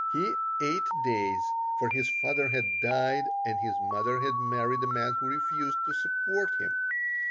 He "ate days," for his father had died and his mother had married a man who refused to support him.